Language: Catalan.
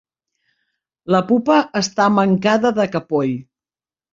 La pupa està mancada de capoll.